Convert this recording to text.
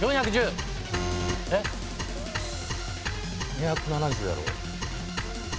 ２７０やろ？